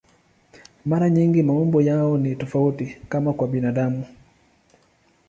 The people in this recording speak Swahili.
Mara nyingi maumbo yao ni tofauti, kama kwa binadamu.